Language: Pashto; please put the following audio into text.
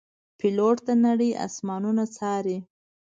پیلوټ د نړۍ آسمانونه څاري.